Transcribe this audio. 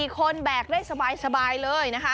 ๔คนแบกได้สบายเลยนะคะ